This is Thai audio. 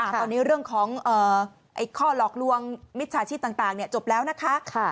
ตอนนี้เรื่องของข้อหลอกลวงมิจฉาชีพต่างจบแล้วนะคะ